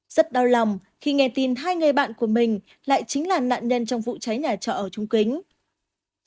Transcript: rất đau lòng khi nghe tin hai người bạn của mình lại chính là nạn nhân trong vụ cháy nhà trọ ở trung kính